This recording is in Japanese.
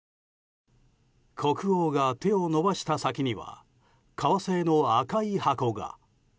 国王が手を伸ばした先には革製の赤い箱が。